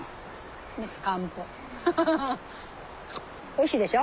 おいしいでしょ？